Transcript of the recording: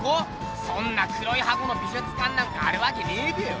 そんな黒い箱の美術館なんかあるわけねえべよ。